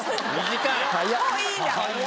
短い！